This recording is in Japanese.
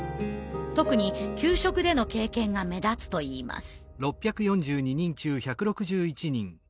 特に給食での経験が目立つといいます。